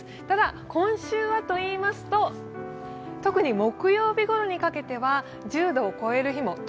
ただ、今週はといいますと、特に木曜日ごろにかけては１０度を超える日も。